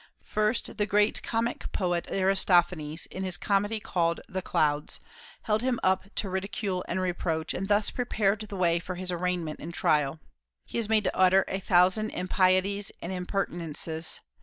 First the great comic poet Aristophanes, in his comedy called the "Clouds," held him up to ridicule and reproach, and thus prepared the way for his arraignment and trial. He is made to utter a thousand impieties and impertinences.